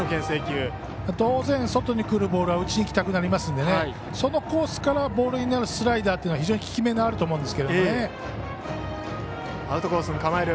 当然、外にくるボールは打ちにいきたくなりますのでそのコースから、ボールになるスライダーというのが非常に効き目があると思うんです。